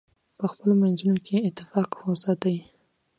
په خپلو منځونو کې اتفاق وساتئ.